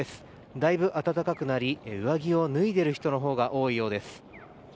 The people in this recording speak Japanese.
だいぶ暖かくなり上着を脱いでいる人のほうが多いようです。